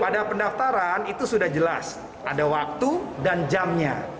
pada pendaftaran itu sudah jelas ada waktu dan jamnya